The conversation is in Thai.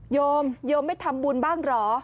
โยมโยมไม่ทำบุญบ้างเหรอ